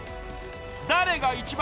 ［誰が一番